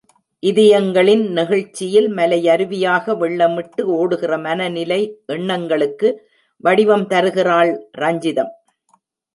இதயங்களின் நெகிழ்ச்சியில் மலையருவியாக வெள்ளமிட்டு ஓடுகிற மனைநிலை எண்ணங்களுக்கு வடிவம் தருகிறாள் ரஞ்சிதம்.